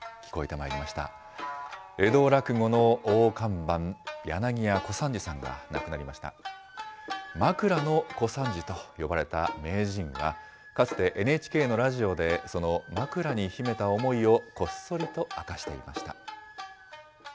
まくらの小三治と呼ばれた名人は、かつてＮＨＫのラジオで、そのまくらに秘めた思いを、こっそりと明かしていました。